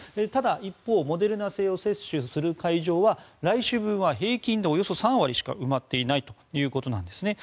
ただ一方モデルナ製を接種する会場は来週分は平均でおよそ３割しか埋まっていないということです。